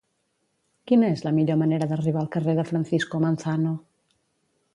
Quina és la millor manera d'arribar al carrer de Francisco Manzano?